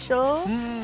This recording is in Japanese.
うん。